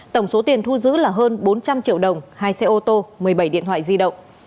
tổng số tiền thu giữ là hơn bốn trăm linh triệu đồng hai xe ô tô một mươi bảy điện thoại di động